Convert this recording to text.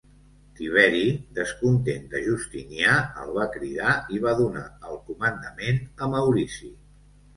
Tiberi, descontent de Justinià, el va cridar i va donar el comandament a Maurici.